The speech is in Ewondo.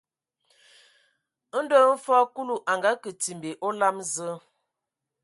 Ndɔ hm fɔɔ Kulu a ngakǝ timbi a olam Zǝǝ,